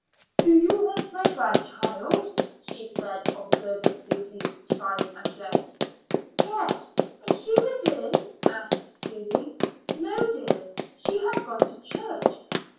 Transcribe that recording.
"Do you want my grandchild?" she said, observing Susy's size and dress. "Yes; is she within?" asked Susy. "No, dear; she has gone to church.